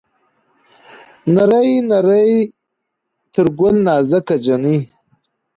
نرۍ نرى تر ګل نازکه جينۍ